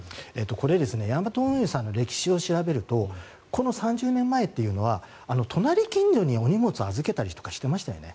これはヤマト運輸さんの歴史を調べると３０年前というのは隣近所にお荷物を預けたりとかしていましたよね。